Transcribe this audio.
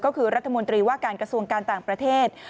ก็คือรัฐมนตรีว่าการกระทรวงการต่างประเทศ